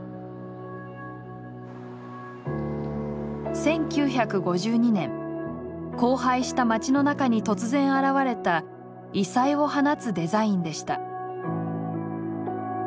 １９５２年荒廃した街の中に突然現れた異彩を放つデザインでした。